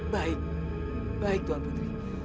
baik baik tuhan putri